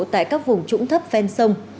tại các vùng trũng thấp phen sông